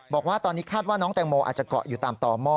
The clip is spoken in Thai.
บอกว่าตอนนี้คาดว่าน้องแตงโมอาจจะเกาะอยู่ตามต่อหม้อ